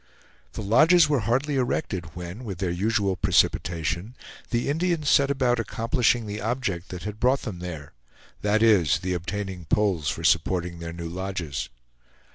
The lodges were hardly erected when, with their usual precipitation, the Indians set about accomplishing the object that had brought them there; that is, the obtaining poles for supporting their new lodges.